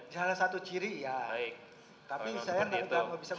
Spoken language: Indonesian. salah satu ciri ya